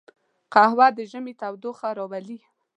قهوه د ژمي تودوخه راولي